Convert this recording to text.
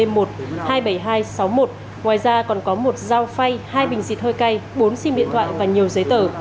hai mươi bảy nghìn hai trăm sáu mươi một ngoài ra còn có một dao phay hai bình dịt hơi cay bốn sim điện thoại và nhiều giấy tờ